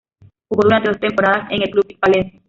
Jugó durante dos temporadas en el club hispalense.